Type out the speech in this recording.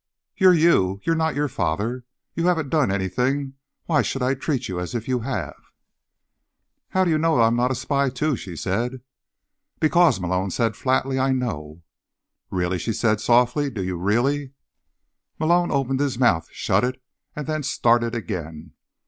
You're you; you're not your father. You haven't done anything—why should I treat you as if you have?" "How do you know I'm not a spy, too?" she said. "Because," Malone said flatly, "I know." "Really?" she said softly. "Do you really?" Malone opened his mouth, shut it and then started again.